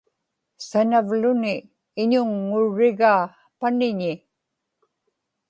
sanavluni iñuŋŋurrigaa paniñi